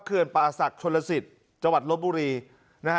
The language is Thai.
เขื่อนป่าศักดิ์ชนลสิตจังหวัดรถบุรีนะฮะ